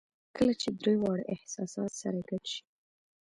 کله چې درې واړه احساسات سره ګډ شي